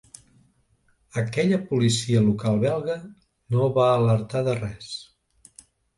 Aquella policia local belga no va alertar de res.